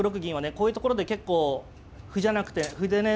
こういうところで結構歩じゃなくて歩でね